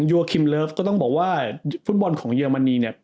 โยคิมเลิฟก็ต้องบอกว่าฟุตบอลของเยอรมนีเนี่ย